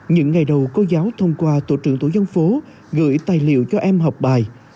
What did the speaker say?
những ngày đầu cô giáo thông qua tổ trưởng tổ dân phố gửi tài liệu cho em học bài